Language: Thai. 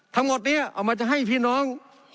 ทั้งหมดนี้เอามาจะให้พี่น้อง